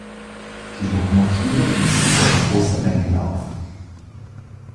Die Lokomotive wies jedoch große Mängel auf.